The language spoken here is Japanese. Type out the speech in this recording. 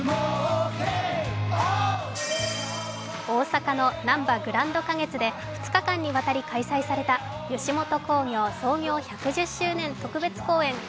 大阪のなんばグランド花月で２日間にわたり開催された吉本興業創業１１０周年特別公演